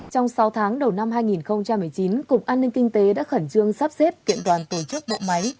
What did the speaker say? trong sáu tháng đầu năm hai nghìn một mươi chín cục an ninh kinh tế đã khẩn trương sắp xếp kiện toàn tổ chức bộ máy